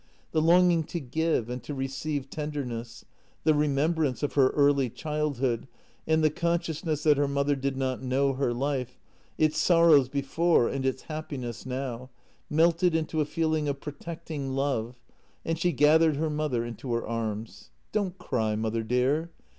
The longing to give and to receive tender ness, the remembrance of her early childhood, and the conscious ness that her mother did not know her life — its sorrows before and its happiness now — melted into a feeling of protecting love, and she gathered her mother into her arms. " Don't cry, mother dear.